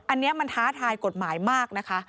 อันนี้มันท้าทายกฎหมายมากนะคะ